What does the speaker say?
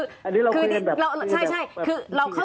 เอาคือเราเข้าใจคือ